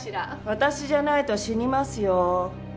私じゃないと死にますよ。